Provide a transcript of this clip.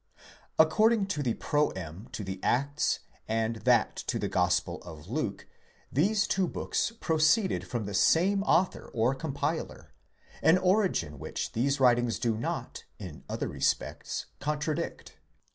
According to the proém to the Acts and that to 'the Gospel of Luke, these two books proceeded from the same author or compiler: an origin which these writings do not, in other respects, contradict.